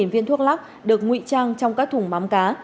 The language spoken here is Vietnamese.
một mươi viên thuốc lắc được nguy trang trong các thùng mắm cá